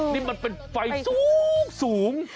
นี่มันเป็นไฟสูง